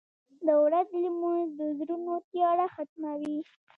• د ورځې لمونځ د زړونو تیاره ختموي.